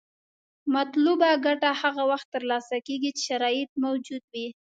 مطلوبه ګټه هغه وخت تر لاسه کیږي چې شرایط موجود وي.